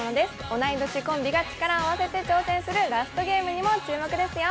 同い年コンビが力を合わせて挑戦する、ラストゲームにも注目ですよ。